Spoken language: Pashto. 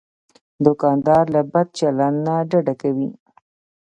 دوکاندار له بد چلند نه ډډه کوي.